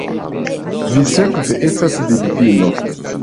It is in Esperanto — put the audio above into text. Vi sekve estas vidvino!